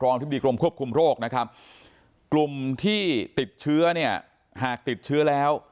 อธิบดีกรมควบคุมโรคนะครับกลุ่มที่ติดเชื้อเนี่ยหากติดเชื้อแล้ว